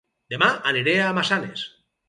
Dema aniré a Massanes